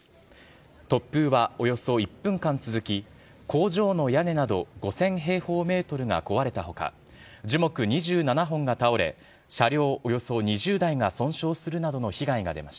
突風はおよそ１分間続き、工場の屋根など５０００平方メートルが壊れたほか、樹木２７本が倒れ、車両